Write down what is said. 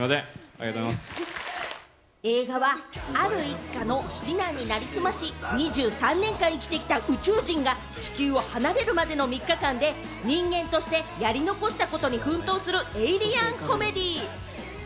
映画はある一家の二男になりすまし、２３年間生きてきた宇宙人が地球を離れるまでの３日間で人間としてやり残したことに奮闘するエイリアンコメディー。